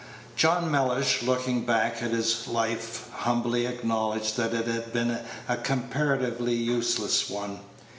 John Mellish, looking back at his life, humbly acknowledged that it had been a comparatively useless one.